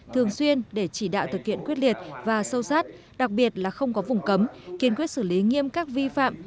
thường xuyên để chỉ đạo thực hiện quyết liệt và sâu sát đặc biệt là không có vùng cấm kiên quyết xử lý nghiêm các vi phạm